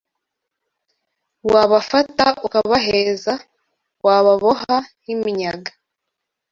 Wabafata ukabaheza Wababoha nk’iminyaga